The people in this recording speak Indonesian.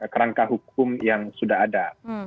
kerangka hukum yang sudah ada